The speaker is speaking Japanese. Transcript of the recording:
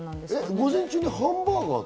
午前中にハンバーガーと？